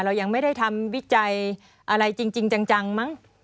เรายังไม่ได้ทำวิจัยอะไรจริงจังมั้ง